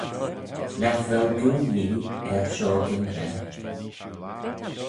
Nagh vel goo Yee er shoh gimraa.